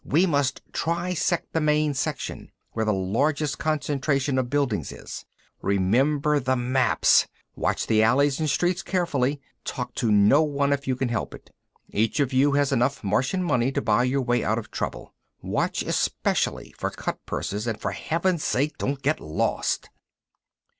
We must trisect the main section, where the largest concentration of buildings is. Remember the maps! Watch the alleys and streets carefully. Talk to no one if you can help it. Each of you has enough Martian money to buy your way out of trouble. Watch especially for cut purses, and for heaven's sake, don't get lost."